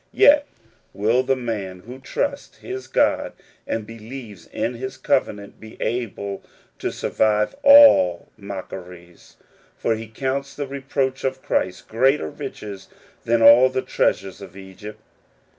Yet will the man who trusts his God and believes in his covenant, be able to survive all mockeries ; for he counts the reproach of Christ greater riches than all the treasures of Egypt.